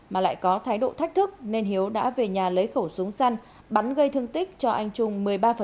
mà lại có thái độ thách thức nên hiếu đã về nhà lấy khẩu súng săn bắn gây thương tích cho anh trung một mươi ba